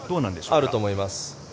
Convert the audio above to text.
あると思います。